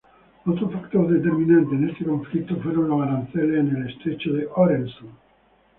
Otro factor determinante en este conflicto fue los aranceles en el estrecho de Øresund.